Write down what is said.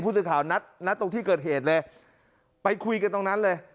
สื่อข่าวนัดตรงที่เกิดเหตุเลยไปคุยกันตรงนั้นเลย